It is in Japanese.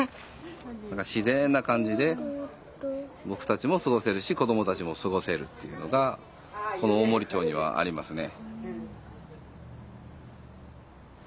自然な感じで僕たちも過ごせるし子どもたちも過ごせるっていうのがこの大森町にはありますね。